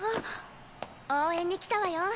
応援に来たわよ。